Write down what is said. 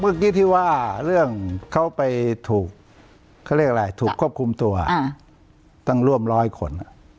เมื่อกี้ที่ว่าเรื่องเขาไปถูกเขาเรียกอะไรถูกควบคุมตัวตั้งร่วมร้อยคน